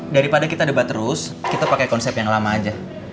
daripada kita debat terus kita pakai konsep yang lama aja